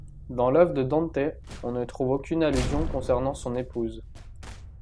Dans l'œuvre de Dante, on ne trouve aucune allusion concernant son épouse.